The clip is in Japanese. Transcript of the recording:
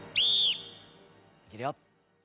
いけるよ。